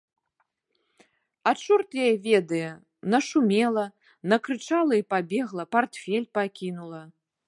А чорт яе ведае, нашумела, накрычала і пабегла, партфель пакінула.